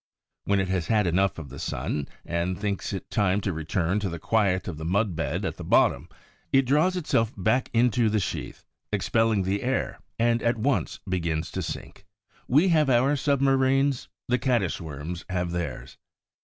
When it has had enough of the sun, and thinks it time to return to the quiet of the mud bed at the bottom, it draws itself back into its sheath, expelling the air, and at once begins to sink. We have our submarines—the Caddis worms have theirs.